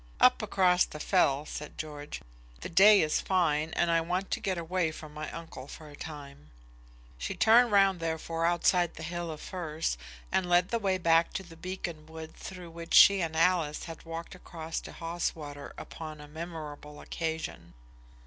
"Up across the fell," said George; "the day is fine, and I want to get away from my uncle for a time." She turned round, therefore, outside the hill of firs, and led the way back to the beacon wood through which she and Alice had walked across to Haweswater upon a memorable occasion.